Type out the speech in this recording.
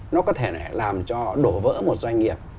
nó có thể làm cho đổ vỡ một doanh nghiệp